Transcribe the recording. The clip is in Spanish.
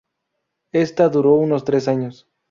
Ésta duró unos tres años.